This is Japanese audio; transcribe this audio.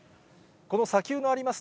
この砂丘のあります